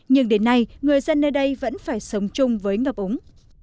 nhưng đến nay người dân nơi đây vẫn phải sống chung với ngập úng